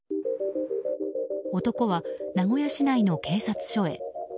男は名古屋市内の警察署へ。